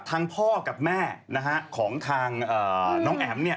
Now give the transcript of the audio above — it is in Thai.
ทางพ่อกับแม่ของทางน้องแอมนี่